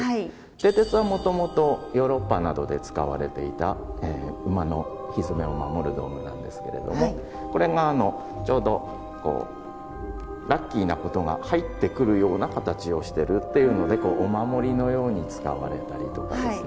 蹄鉄はもともとヨーロッパなどで使われていた馬のひづめを守る道具なんですけれどもこれがちょうどこうラッキーなことが入ってくるような形をしているというのでお守りのように使われたりとかですね。